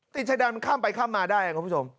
ติดชายแดนข้ามไปข้ามมาได้อะคุณผู้ชม